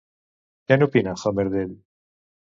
Què n'opina Homer d'ell?